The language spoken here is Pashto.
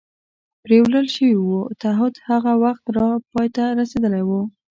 پرېولل شوي و، تعهد هغه وخت لا پای ته رسېدلی و.